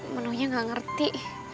menunya gak ngerti